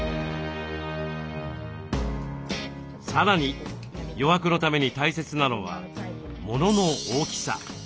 さらに余白のために大切なのはモノの大きさ。